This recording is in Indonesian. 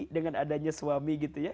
dengan adanya suami gitu ya